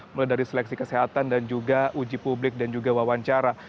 mulai dari seleksi kesehatan dan juga uji publik dan juga wawancara